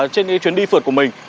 trên cái chuyến đi phượt của mình